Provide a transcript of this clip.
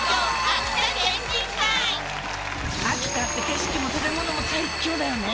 秋田って景色も食べ物も最強だよね。